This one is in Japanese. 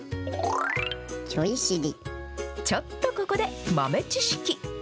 ちょっとここで豆知識。